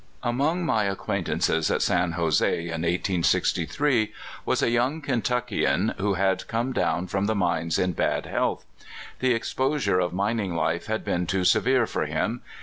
MONG my acquaintances at San Jose, in 1863, was a young Kentuckian who had come down from the mines in bad health. The exposure of mining hfe had been too severe for him.